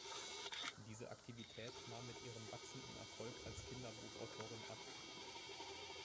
Diese Aktivität nahm mit ihrem wachsenden Erfolg als Kinderbuchautorin ab.